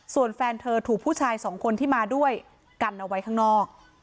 ส่วนแฟนเธอถูกผู้ชายสองคนที่มาด้วยกันเอาไว้ข้างนอก